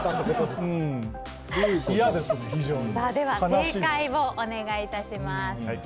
正解をお願いいたします。